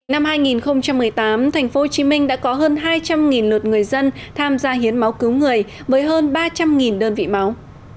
năm hai nghìn một mươi tám tp hcm đã có hơn hai trăm linh lượt người dân tham gia hiến máu cứu người với hơn ba trăm linh đơn vị máu